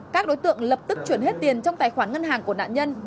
các đối tượng lập tức chuyển hết tiền trong tài khoản ngân hàng của nạn nhân